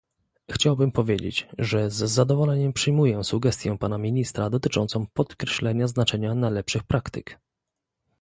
Chciałbym powiedzieć, że z zadowoleniem przyjmuję sugestię pana ministra dotyczącą podkreślania znaczenia najlepszych praktyk